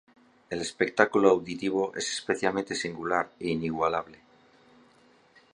El espectáculo auditivo es especialmente singular e inigualable.